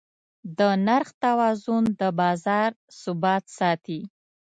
د نرخ توازن د بازار ثبات ساتي.